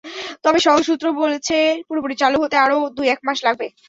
তবে সওজ সূত্র বলছে, পুরোপুরি চালু হতে আরও দু-এক মাস লাগবে।